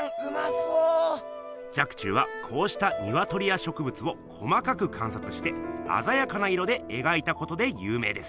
若冲はこうしたにわとりやしょくぶつを細かくかんさつしてあざやかな色でえがいたことでゆう名です。